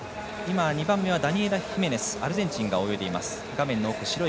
２番目はダニエラ・ヒメネスアルゼンチンが泳いでいます。